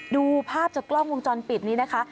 ดูภาพจากกล้องวงจรปิดนี้นะคะ